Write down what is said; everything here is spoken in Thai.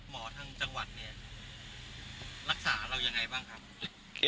ทางจังหวัดเนี่ยรักษาเรายังไงบ้างครับ